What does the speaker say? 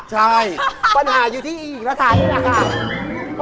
ใช่ปัญหาอยู่ที่อีกละท้ายนี้นะค่ะ